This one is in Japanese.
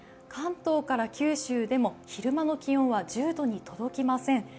関東から九州でも昼間の気温は１０度に届きません。